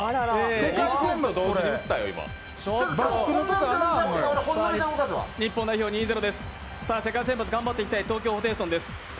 世界選抜、頑張っていきたい、東京ホテイソンです。